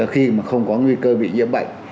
khi mà không có nguy cơ bị nhiễm bệnh